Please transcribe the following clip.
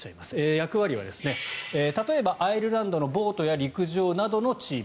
役割は例えば、アイルランドのボートや陸上などのチーム